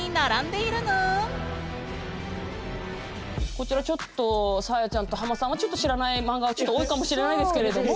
こちらちょっとサーヤちゃんとハマさんは知らないマンガが多いかもしれないですけれども。